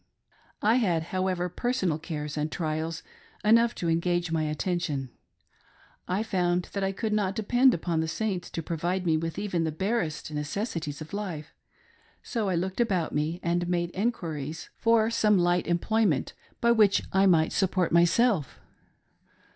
I had, however, personal cares and trials enough to engage my attention. I found that I could not depend upon the Saints to provide me with even the barest necessaries of life, so I looked about me and made enquiries for some light emt 100 TRIALS OF A SAD AND LONELY WIFE, ployment by which I might support myself.